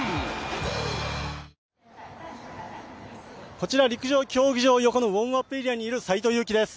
こちら、陸上競技場横のウオームアップエリアにいる斎藤佑樹です。